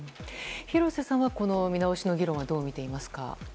廣瀬さんは見直しの議論はどうみていますか。